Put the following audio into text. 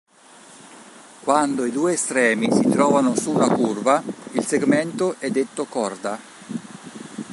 Quando i due estremi si trovano su una curva, il segmento è detto corda.